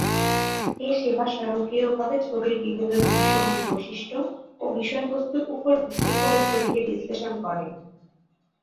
এ সেবা স্বয়ংক্রিয়ভাবে ছবির বিভিন্ন দৃশ্যমান বৈশিষ্ট্য ও বিষয়বস্তুর উপর ভিত্তি করে ছবিকে বিশ্লেষণ করে।